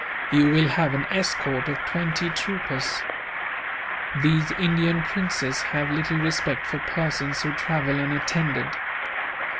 You will have an escort of twenty troopers. These Indian princes have little respect for persons who travel unattended.